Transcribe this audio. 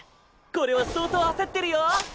これは相当焦ってるよ！